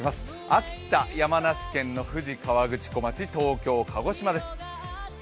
秋田、山梨県の富士河口湖町、東京、鹿児島です。